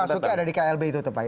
tapi pintu masuknya ada di klb itu pak